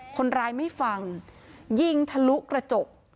คนร้ายไม่ฟังยิงทะลุกระจก